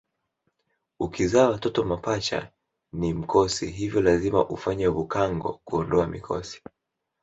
Ukizaa watoto mapacha ni mkosi hivyo lazima ufanye bhukango kuondoa mikosi